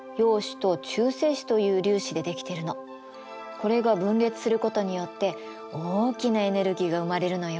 これが分裂することによって大きなエネルギーが生まれるのよ。